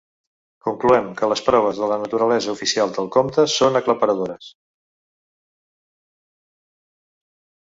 Concloem que les proves de la naturalesa oficial del compte són aclaparadores.